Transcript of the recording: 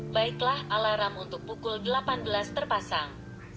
baiklah alarm untuk pukul delapan belas terpasang